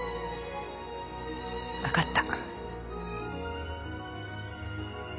分かった。